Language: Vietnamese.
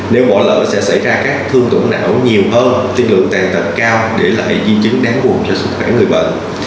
nếu bỏ lỡ sẽ xảy ra các thương tổn nặng nhiều hơn tiên lượng tàn tật cao để lại hệ di chứng đáng buồn cho sức khỏe người bệnh